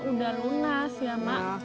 udah lunas ya mak